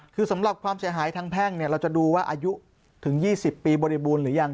คือสำหรับความเสียหายทางแพ่งเราจะดูว่าอายุถึง๒๐ปีบริบูรณ์หรือยัง